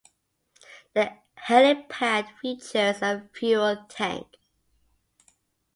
The helipad features a fuel tank.